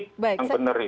saya ke bu yanti